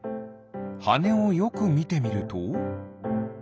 はねをよくみてみると。